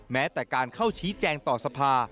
แม้แต่การเข้าชี้แจงต่อสภา